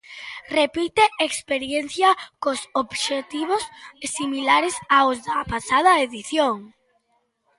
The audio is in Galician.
Repite experiencia con obxectivos similares aos da pasada edición.